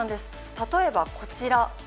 例えばこちら。